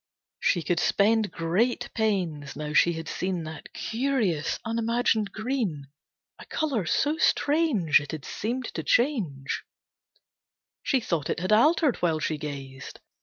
She could spend great pains, now she had seen That curious, unimagined green. A colour so strange It had seemed to change. She thought it had altered while she gazed.